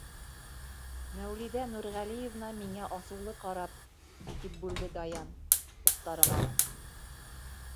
— Мәүлиҙә Нурғәлиевна миңә асыулы ҡарап. — тип бүлде Даян. устарыма.